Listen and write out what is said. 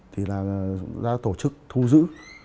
thì là ra tổ chức thu giữ